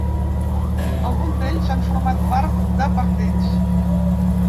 Alguns d’ells han format part de partits.